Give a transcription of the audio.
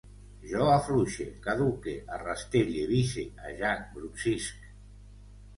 Jo afluixe, caduque, arrastelle, bise, ajac, brunzisc